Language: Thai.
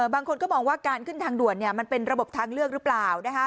บางคนก็มองว่าการขึ้นทางด่วนมันเป็นระบบทางเลือกหรือเปล่า